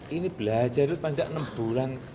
ini belajar itu panjang enam bulan